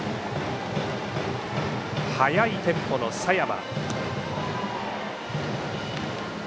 速いテンポの佐山。